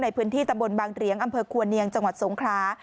ในพื้นที่ตำบลบางเหรียงอำเภอควรเนียงจังหวัดสงครา